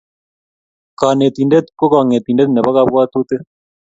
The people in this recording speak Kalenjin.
Kanetindet ko kangetindet nebo kapwatutik